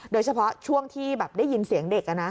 โดยเฉพาะช่วงที่แบบได้ยินเสียงเด็ก